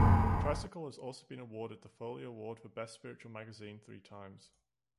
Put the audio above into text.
"Tricycle" has also been awarded the Folio Award for "Best Spiritual Magazine" three times.